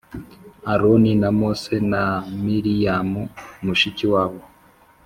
Aroni na Mose na Miriyamu mushiki wabo